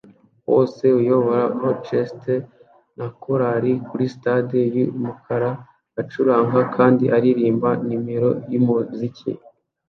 wose uyobora orchestre na korari kuri stade yumukara acuranga kandi aririmba nimero yumuziki